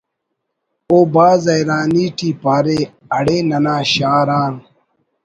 “ او بھاز حیرانی ٹی پارے…… ”اڑے ننا شار آن